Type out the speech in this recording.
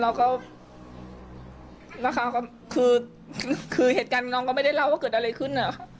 แล้วก็นะคะก็คือคือเหตุการณ์น้องก็ไม่ได้เล่าว่าเกิดอะไรขึ้นเหรอ